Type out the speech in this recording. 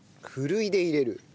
ふるいで入れる。